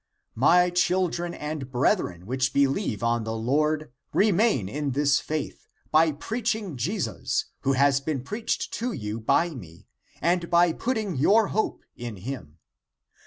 My children and brethren, which believe on the Lord, remain in this faith, by preaching Je sus, who has been preached to you by me, and by putting your hope in him.